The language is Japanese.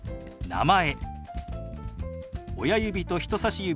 「名前」。